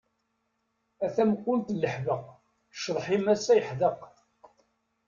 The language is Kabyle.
A tameqqunt n leḥbaq, ccḍeḥ-im ass-a yeḥdeq.